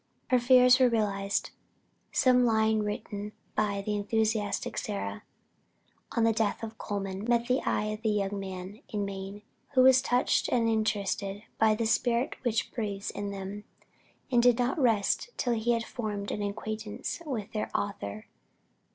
Her fears were realized. Some lines written by "the enthusiastic Sarah" on the death of Colman, met the eye of the "young man in Maine," who was touched and interested by the spirit which breathes in them, and did not rest till he had formed an acquaintance with their author.